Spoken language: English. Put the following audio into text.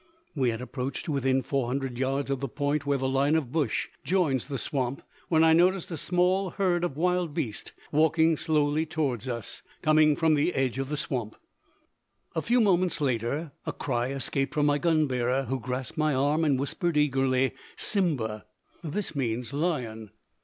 We had approached to within 400 yards of the point where the line of bush joins the swamp, when I noticed a small herd of wildbeest walking slowly toward us, coming from the edge of the swamp. A few moments later, a cry escaped from my gun bearer, who grasped my arm and whispered eagerly, simba. This means lion.